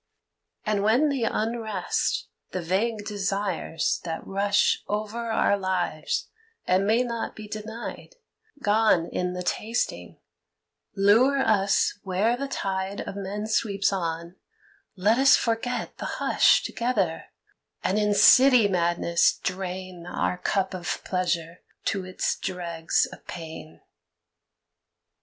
And when the unrest, the vague desires that rush Over our lives and may not be denied, Gone in the tasting, lure us where the tide Of men sweeps on, let us forget the hush Together, and in city madness drain Our cup of pleasure to its dregs of pain.